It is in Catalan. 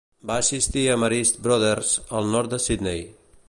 Va assistir a Marist Brothers, al nord de Sydney.